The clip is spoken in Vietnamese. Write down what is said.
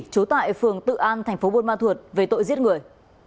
trú tại phường tự an tp bôn ma thuột về tội giết người